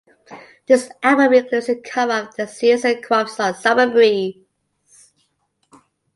This album includes a cover of the Seals and Crofts song "Summer Breeze".